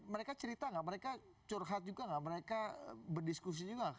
mereka cerita nggak mereka curhat juga nggak mereka berdiskusi juga